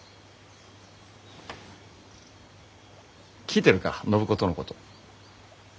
聞いてるか暢子とのこと。